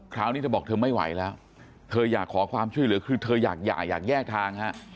คราวนี้เธอบอกเธอไม่ไหวแล้วเธออยากขอความช่วยเหลือคือเธออยากหย่าอยากแยกทางฮะ